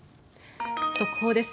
速報です。